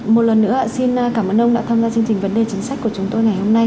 một lần nữa xin cảm ơn ông đã tham gia chương trình vấn đề chính sách của chúng tôi ngày hôm nay